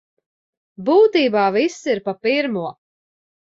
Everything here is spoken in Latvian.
Būtībā viss ir pa pirmo.